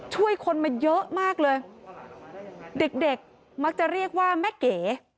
ช่วยคนมาเยอะมากเลยเด็กเด็กมักจะเรียกว่าแม่เก๋